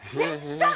さあ！